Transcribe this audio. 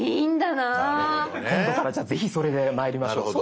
なるほどね。今度からじゃあぜひそれでまいりましょう。